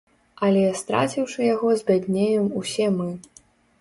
Але, страціўшы яго, збяднеем усе мы.